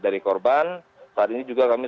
dari korban saat ini juga kami